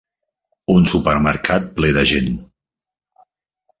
Un supermercat ple de gent.